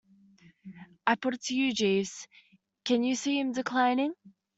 I put it to you, Jeeves, can you see him declining?